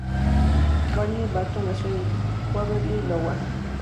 Barney Barton nació en Waverly, Iowa.